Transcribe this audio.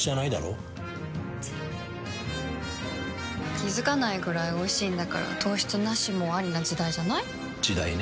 気付かないくらいおいしいんだから糖質ナシもアリな時代じゃない？時代ね。